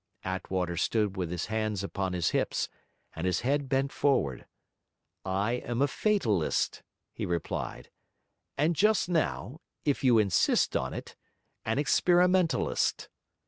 Attwater stood with his hands upon his hips, and his head bent forward. 'I am a fatalist,' he replied, 'and just now (if you insist on it) an experimentalist.